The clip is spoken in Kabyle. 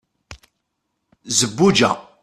zebbuǧa